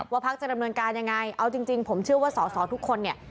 พักจะดำเนินการยังไงเอาจริงผมเชื่อว่าสอสอทุกคนเนี่ย